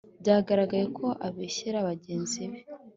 byagaraye ko abeshyera bagenzi be